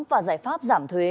và giải pháp giảm thuế